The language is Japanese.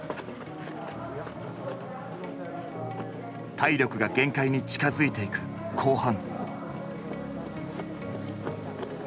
体力が限界に近づいていく後半。